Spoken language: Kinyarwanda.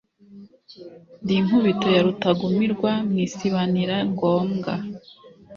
ndi inkubito ya Rutagumirwa mwisibanira ngombwa